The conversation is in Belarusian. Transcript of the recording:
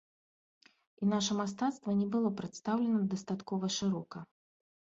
І наша мастацтва не было прадстаўлена дастаткова шырока.